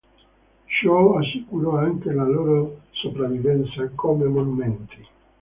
Ciò assicurò anche la loro sopravvivenza come monumenti.